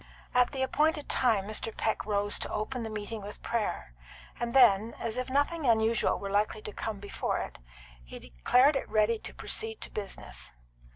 At the appointed time Mr. Peck rose to open the meeting with prayer; then, as if nothing unusual were likely to come before it, he declared it ready to proceed to business.